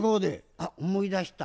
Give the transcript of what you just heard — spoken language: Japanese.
あっ思い出した。